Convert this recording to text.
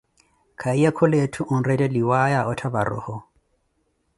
Kahiye kula etthu onretteliwaaya oottha varoho.